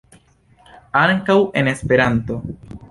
Ankaŭ en Esperanto.